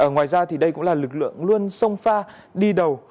ngoài ra thì đây cũng là lực lượng luôn sông pha đi đầu